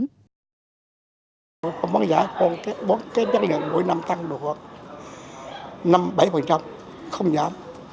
chất lượng mỗi năm tăng được năm bảy không giảm